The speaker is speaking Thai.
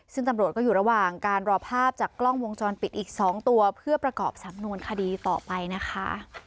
ซึ่งตำรวจก็อยู่ระหว่างการรอภาพจากกล้องวงจรปิดอีก๒ตัวเพื่อประกอบสำนวนคดีต่อไปนะคะ